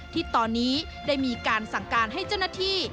ที่ตอนนี้ได้มีการสั่งการให้เจ้าหน้าที่